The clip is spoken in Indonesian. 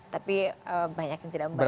tapi banyak yang tidak membayar